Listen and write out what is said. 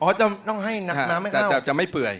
อ๋อจะต้องให้น้ำไม่เข้า